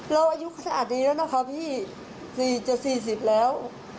อายุขนาดนี้แล้วนะคะพี่๔๔๐แล้ว